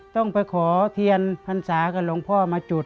ต้องไปขอเทียนพรรษากับหลวงพ่อมาจุด